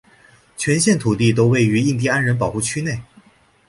全县土地都位于印地安人保护区内。